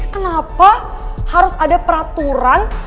kenapa harus ada peraturan